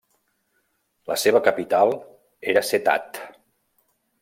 La seva capital era Settat.